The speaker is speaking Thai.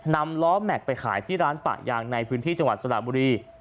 นำล้อแม็กซ์ไปขายที่ร้านปะยางในพื้นที่จังหวัดสระบุรี